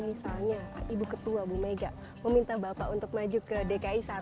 misalnya ibu ketua bu mega meminta bapak untuk maju ke dki satu